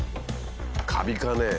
カビかね？